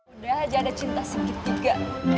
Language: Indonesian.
udah aja ada cinta sekitiga